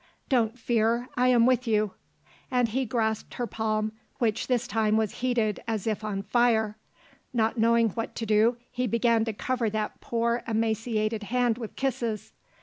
"Don't fear. I am with you." And he grasped her palm which this time was heated as if on fire; not knowing what to do he began to cover that poor, emaciated hand with kisses.